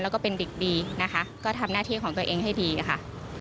แล้วก็เป็นเด็กดีนะคะก็ทำหน้าที่ของตัวเองให้ดีค่ะ